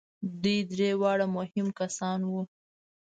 دوی درې واړه مهم کسان وو.